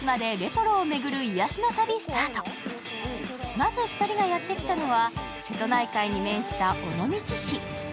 まず２人がやってきたのは瀬戸内海に面した尾道市。